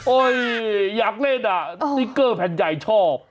อยากเล่นอ่ะสติ๊กเกอร์แผ่นใหญ่ชอบ